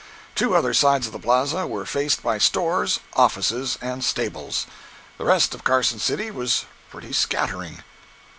Two other sides of the plaza were faced by stores, offices and stables. The rest of Carson City was pretty scattering.